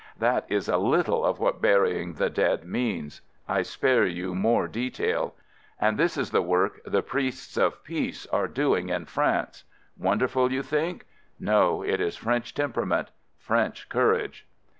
That is a little of what burying the dead means. I spare you more detail. And this is the work the priests of Peace are doing in France. Wonderful, you think? No, it is French temperament, French courage.